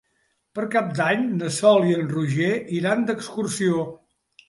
Per Cap d'Any na Sol i en Roger iran d'excursió.